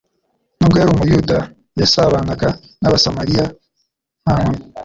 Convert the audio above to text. N’ubwo yari Umuyuda, yasabanaga n’Abasamariya nta nkomyi,